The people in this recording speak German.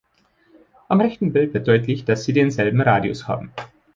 Am rechten Bild wird deutlich, dass sie denselben Radius haben.